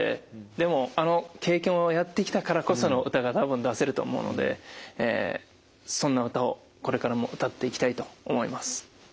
でもあの経験をやってきたからこその歌が多分出せると思うのでそんな歌をこれからも歌っていきたいと思います。